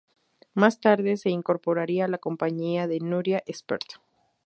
Más tarde se incorporaría a la compañía de Nuria Espert.